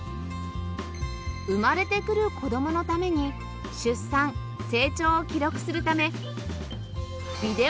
生まれてくる子どものために出産成長を記録するため